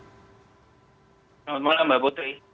selamat malam mbak putri